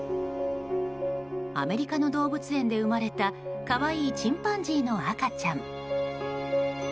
アメリカの動物園で生まれた可愛いチンパンジーの赤ちゃん。